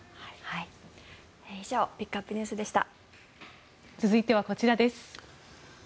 以上ピックアップＮＥＷＳでした。